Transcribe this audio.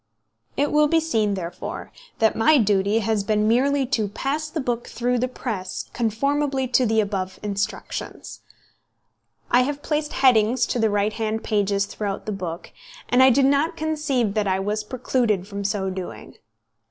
It will be seen, therefore, that my duty has been merely to pass the book through the press conformably to the above instructions. I have placed headings to the right hand pages throughout the book, and I do not conceive that I was precluded from so doing.